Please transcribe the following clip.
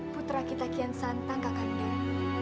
putra kita kian santang kakak dinda